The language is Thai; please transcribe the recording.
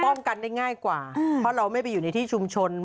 เราป้องกันได้ง่ายกว่าเราไม่อยู่ในที่ชุมชน